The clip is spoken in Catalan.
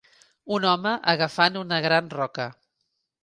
Un home agafant una gran roca.